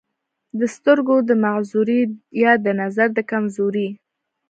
دَسترګو دَمعذورۍ يا دَنظر دَکمزورۍ